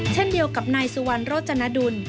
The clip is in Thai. เช่นเดียวกับนายสุวรรณโรจนดุล